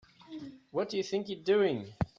What do you think you're doing?